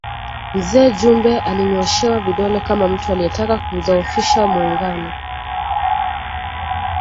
Mzee Jumbe alinyooshewa vidole kama mtu aliyetaka kuudhofisha Muungano